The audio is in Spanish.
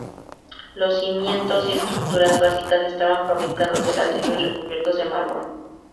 Los cimientos y estructuras básicas estaban fabricados de ladrillos recubiertos de mármol.